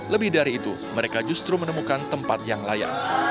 lebih dari itu mereka justru menemukan tempat yang layak